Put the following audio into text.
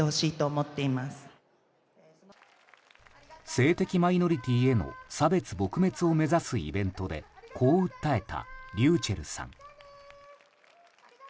性的マイノリティーへの差別撲滅を目指すイベントでこう訴えたｒｙｕｃｈｅｌｌさん。